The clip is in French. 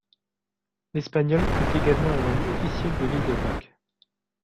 L'espagnol est également la langue officielle de l'Île de Pâques.